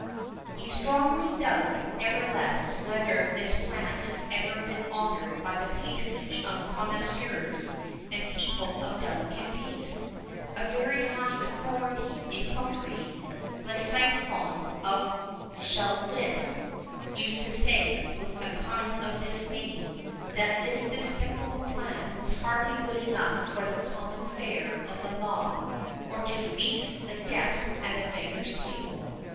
[VI 11] We strongly doubt, nevertheless, whether this plant has ever been honoured by the patronage of connoisseurs and people of delicate taste; a very high authority in cookery Lycophon, of Chalcis used to say, with a kind of disdain, that this despicable plant was hardly good enough for the common fare of the mob, or to feast the guests at a beggar's table.